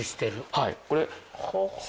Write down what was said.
はい。